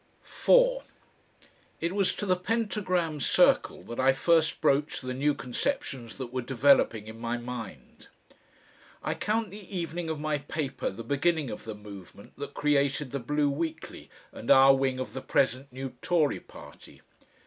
4 It was to the Pentagram Circle that I first broached the new conceptions that were developing in my mind. I count the evening of my paper the beginning of the movement that created the BLUE WEEKLY and our wing of the present New Tory party.